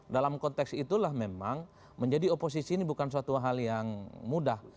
dalam konteks itulah memang menjadi oposisi ini bukan suatu hal yang mudah